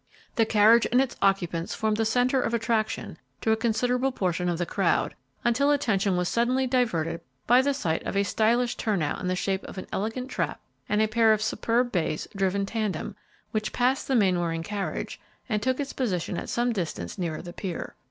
The carriage and its occupants formed the centre of attraction to a considerable portion of the crowd, until attention was suddenly diverted by the sight of a stylish turnout in the shape of an elegant trap and a pair of superb bays driven tandem, which passed the Mainwaring carriage and took its position at some distance nearer the pier.